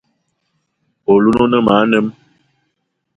Oloun o ne ma anem.